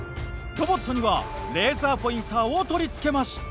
ロボットにはレーザーポインターを取り付けました。